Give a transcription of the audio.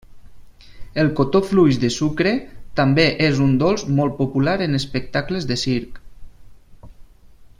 El cotó fluix de sucre també és un dolç molt popular en espectacles de circ.